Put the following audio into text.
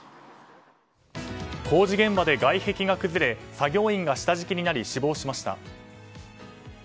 工事現場で外壁が崩れ作業員が下敷きになり死亡しました。